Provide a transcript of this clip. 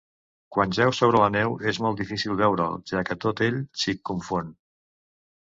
Quan jeu sobre la neu és molt difícil veure'l, ja que tot ell s'hi confon.